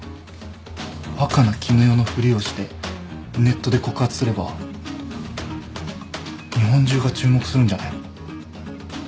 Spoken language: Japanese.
若菜絹代のふりをしてネットで告発すれば日本中が注目するんじゃないの？